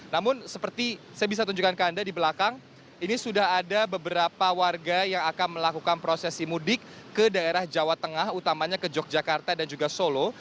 namun seperti saya bisa tunjukkan ke anda di belakang ini sudah ada beberapa warga yang akan melakukan prosesi mudik ke daerah jawa tengah utamanya ke yogyakarta dan juga solo